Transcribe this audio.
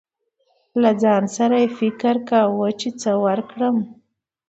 له ځان سره يې فکر کو، چې څه ورکړم.